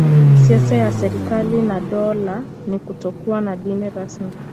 Siasa ya serikali na dola ni kutokuwa na dini rasmi.